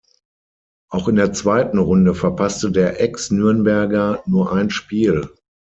Auch in der zweiten Runde verpasste der Ex-Nürnberger nur ein Spiel.